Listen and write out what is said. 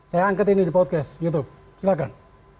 saya angkat ini di podcast youtube silahkan